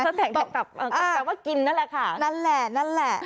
แสแตกแดกตับอ่าแปลว่ากินนั่นแหละค่ะนั่นแหละนั่นแหละ